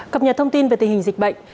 cập nhật thông tin về tình hình dịch bệnh